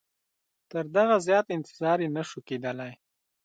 تر دغه زیات یې انتظار نه سو کېدلای.